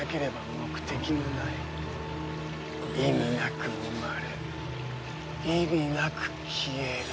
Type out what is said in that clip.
意味なく生まれ意味なく消える。